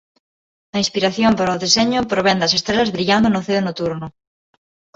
A inspiración para o deseño provén das estrelas brillando no ceo nocturno.